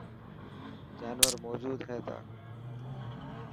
جانور موجود هئي تا.